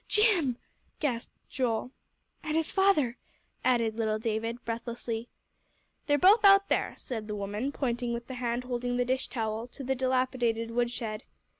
"Jim," gasped Joel. "And his father," added little David, breathlessly "They're both out there," said the woman, pointing with the hand holding the dish towel, to the dilapidated woodshed.